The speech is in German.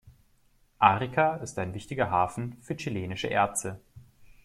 Arica ist ein wichtiger Hafen für chilenische Erze.